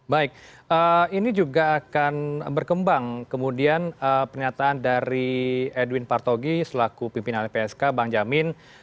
baik ini juga akan berkembang kemudian pernyataan dari edwin partogi selaku pimpinan lpsk bang jamin